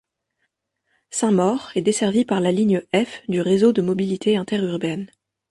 Saint-Maur est desservie par la ligne F du Réseau de mobilité interurbaine.